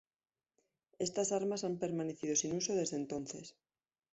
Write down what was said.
Estas armas han permanecido sin uso desde entonces.